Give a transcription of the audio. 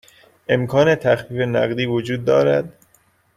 امکان تخفیف نقدی وجود دارد؟